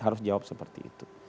harus jawab seperti itu